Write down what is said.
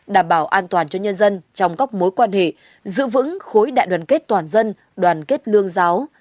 đảm bảo an toàn cho nhân dân trong các mối quan hệ giữ vững khối đại đoàn kết toàn dân đoàn kết lương giáo